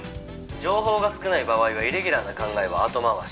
「情報が少ない場合はイレギュラーな考えは後回し」